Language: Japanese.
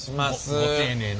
ご丁寧な。